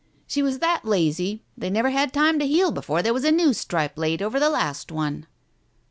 She was that lazy they never had time to heal before there was a new stripe laid over the last one."